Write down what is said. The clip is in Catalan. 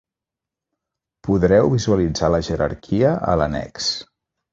Podreu visualitzar la jerarquia a l'annex.